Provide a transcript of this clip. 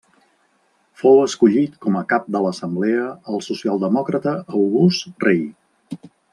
Fou escollit com a cap de l'assemblea el socialdemòcrata August Rei.